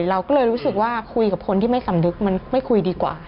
เราก็เลยรู้สึกว่าคุยกับคนที่ไม่สำนึกมันไม่คุยดีกว่า